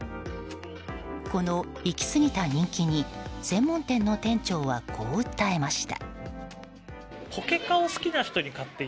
この行き過ぎた人気に専門店の店長はこう訴えました。